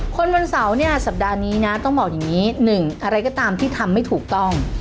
วันเสาร์เนี่ยสัปดาห์นี้นะต้องบอกอย่างนี้หนึ่งอะไรก็ตามที่ทำไม่ถูกต้อง